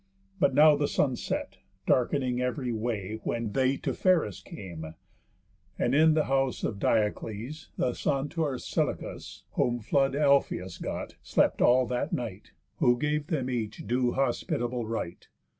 But now the sun set, dark'ning ev'ry way, When they to Pheris came; and in the house Of Diocles (the son t' Orsilochus, Whom flood Alphëus got) slept all that night; Who gave them each due hospitable rite.